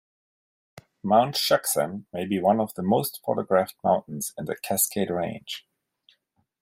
Mount Shuksan may be one of the most photographed mountains in the Cascade Range.